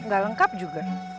gak lengkap juga